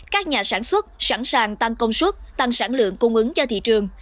các nhà sản xuất sẵn sàng tăng công suất tăng sản lượng cung ứng cho thị trường